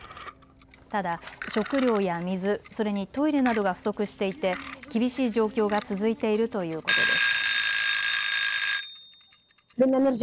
ただ食料や水、それにトイレなどが不足していて厳しい状況が続いているということです。